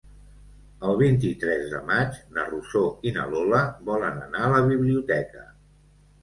El vint-i-tres de maig na Rosó i na Lola volen anar a la biblioteca.